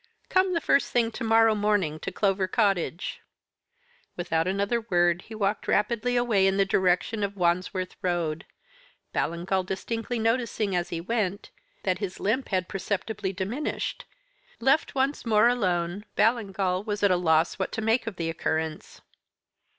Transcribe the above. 'Come the first thing to morrow morning to Clover Cottage.' "Without another word he walked rapidly away in the direction of the Wandsworth Road Ballingall distinctly noticing, as he went, that his limp had perceptibly diminished. Left once more alone, Ballingall was at a loss what to make of the occurrence.